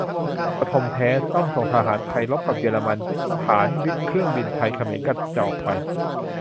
พธม แท้ ต้องส่งทหารไทยรบกับเยอรมัน ฐานยึดเครื่องบินไทย เขมรกระจอกไป